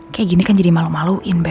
kayak gini kan jadi malu malu in bel